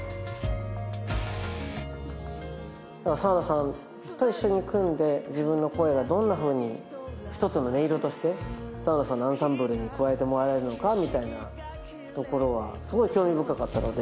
澤野さんと一緒に組んで自分の声がどんなふうにひとつの音色として澤野さんのアンサンブルに加えてもらえるのかみたいなところはすごい興味深かったので。